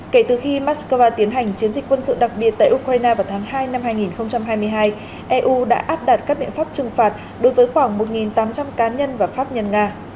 kể từ khi moscow tiến hành chiến dịch quân sự đặc biệt tại ukraine vào tháng hai năm hai nghìn hai mươi hai eu đã áp đặt các biện pháp trừng phạt đối với khoảng một tám trăm linh cá nhân và pháp nhân nga